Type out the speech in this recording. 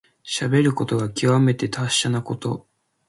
しゃべることがきわめて達者なこと。